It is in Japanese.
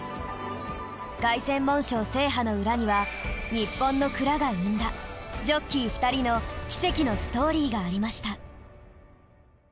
凱旋門賞制覇の裏には日本の鞍が生んだジョッキー２人の奇跡のストーリーがありました。